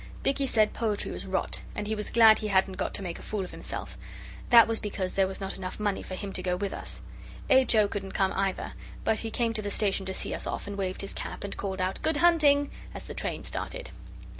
Dicky said poetry was rot and he was glad he hadn't got to make a fool of himself. That was because there was not enough money for him to go with us. H. O. couldn't come either, but he came to the station to see us off, and waved his cap and called out 'Good hunting!' as the train started.